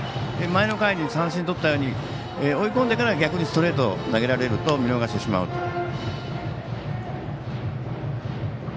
前の回に三振とったように追い込んでから逆にストレート投げられると見逃してしまうと。